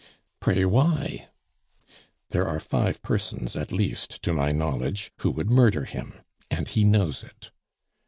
"Pray why?" "There are five persons at least to my knowledge who would murder him, and he knows it."